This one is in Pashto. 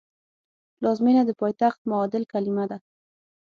پلازمېنه د پایتخت معادل کلمه ده